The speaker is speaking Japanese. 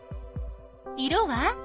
色は？